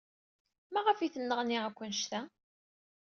Maɣef ay tenneɣni akk anect-a?